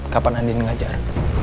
kapan andin ngajar